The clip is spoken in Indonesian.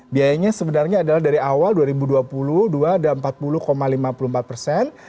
biayanya sebenarnya adalah dari awal dua ribu dua puluh dua ada empat puluh lima puluh empat persen